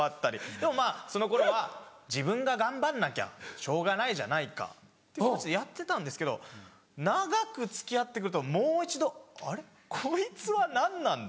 でもまぁその頃は自分が頑張んなきゃしょうがないじゃないかっていう気持ちでやってたんですけど長く付き合って来るともう一度「あれ？こいつは何なんだ？」。